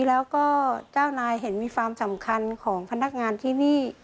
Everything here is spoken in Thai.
แล้วก็เจ้านายเห็นมีความสำคัญของพนักงานที่นี่